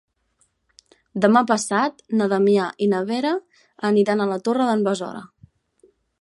Demà passat na Damià i na Vera aniran a la Torre d'en Besora.